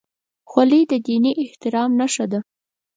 خولۍ د دیني احترام نښه ده.